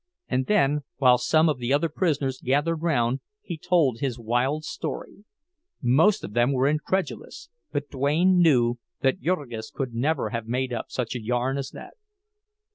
And then, while some of the other prisoners gathered round he told his wild story; most of them were incredulous, but Duane knew that Jurgis could never have made up such a yarn as that.